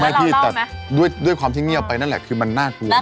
พี่แต่ด้วยความที่เงียบไปนั่นแหละคือมันน่ากลัว